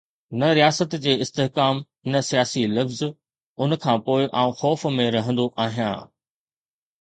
نه رياست جي استحڪام، نه سياسي لفظ، ان کان پوء آئون خوف ۾ رهندو آهيان.